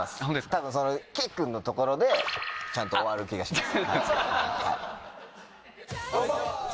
多分そのキックのところでちゃんと終わる気がします。